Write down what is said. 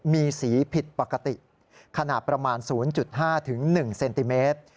มีสีผิดปกติขนาดประมาณ๐๕๑เซนติเมตร